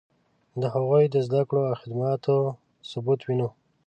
د هغوی د زدکړو او خدماتو ثبوت وینو.